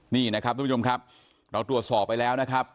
นี่นะครับทุกผู้ชมครับเราตรวจสอบไปแล้วนะครับ